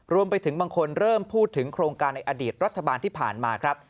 รวมไปถึงบางคนเริ่มพูดถึงโครงการในอดีตรัฐบาลที่ผ่านมาครับ